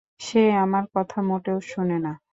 সে আমার কথা মোটেও শোনে না।